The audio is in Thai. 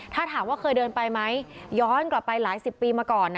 ถ้าถามว่าเคยเดินไปไหมย้อนกลับไปหลายสิบปีมาก่อน